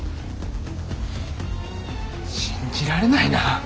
信じられないな。